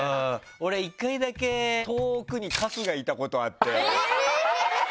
俺１回だけ遠くに春日いたことあって。